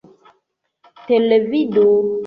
televido